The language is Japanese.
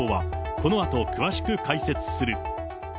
このあと詳しく解説する。